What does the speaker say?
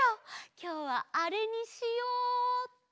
きょうはあれにしようっと。